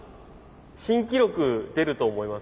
新記録出ると思います。